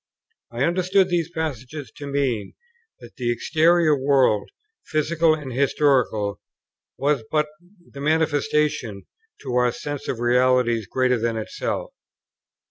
I understood these passages to mean that the exterior world, physical and historical, was but the manifestation to our senses of realities greater than itself.